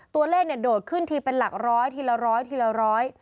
ตัวเลขเนี่ยโดดขึ้นทีเป็นหลักร้อยทีละร้อยทีละร้อย